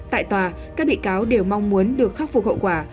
tại tòa các bị cáo đều mong muốn được khắc phục hậu quả